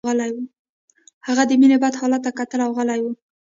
هغه د مينې بد حالت ته کتل او غلی و